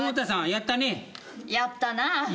やったね。